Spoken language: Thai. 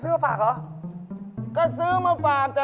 เหลือมาปาก